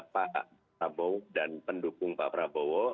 pak prabowo dan pendukung pak prabowo